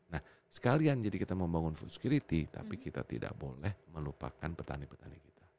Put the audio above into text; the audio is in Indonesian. nah sekalian jadi kita membangun food security tapi kita tidak boleh melupakan petani petani kita